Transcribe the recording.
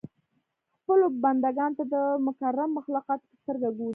خپلو بنده ګانو ته د مکرمو مخلوقاتو په سترګه ګوري.